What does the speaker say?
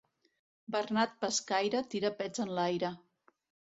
Bernat pescaire, tira pets enlaire.